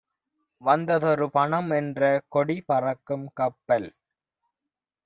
வந்ததொரு பணம்என்ற கொடிபறக்கும் கப்பல்;